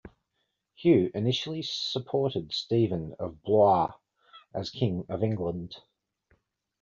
Hugh initially supported Stephen of Blois as king of England.